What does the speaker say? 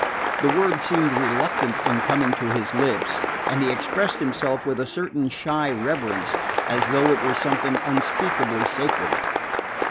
The word seemed reluctant in coming to his lips, and he expressed himself with a certain shy reverence, as though it were something unspeakably sacred.